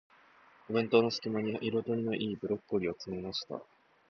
お弁当の隙間に、彩りの良いブロッコリーを詰めました。